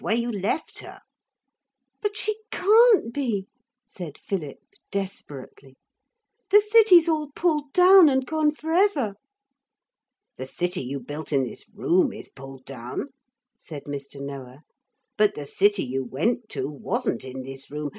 Where you left her.' 'But she can't be,' said Philip desperately. 'The city's all pulled down and gone for ever.' 'The city you built in this room is pulled down,' said Mr. Noah, 'but the city you went to wasn't in this room.